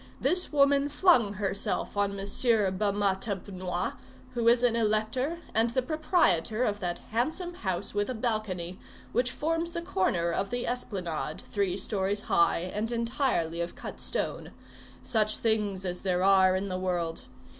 This woman flung herself on Monsieur Bamatabois, who is an elector and the proprietor of that handsome house with a balcony, which forms the corner of the esplanade, three stories high and entirely of cut stone. Such things as there are in the world!